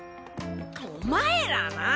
お前らなぁ！